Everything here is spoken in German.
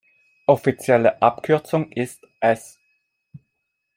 Offizielle Abkürzung ist "S.